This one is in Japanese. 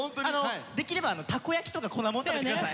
できればたこ焼きとか粉もん食べて下さい。